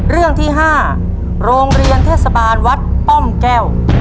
เรื่องที่๕โรงเรียนเทศบาลวัดป้อมแก้ว